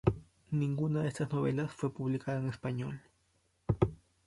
Ninguna de estas novelas fue publicada en español.